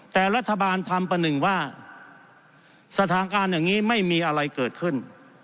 แต่รัฐบาลทำประหนึ่งว่าสถานการณ์อย่างนี้ไม่มีอะไรเกิดขึ้น